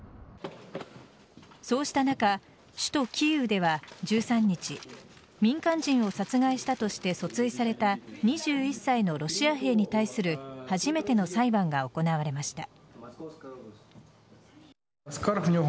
そうした中、首都・キーウでは１３日、民間人を殺害したとして訴追された２１歳のロシア兵に対する初めての裁判が行われました。